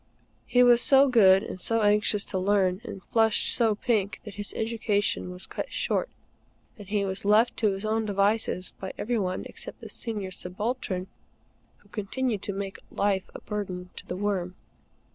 He was so good and so anxious to learn, and flushed so pink, that his education was cut short, and he was left to his own devices by every one except the Senior Subaltern, who continued to make life a burden to The Worm.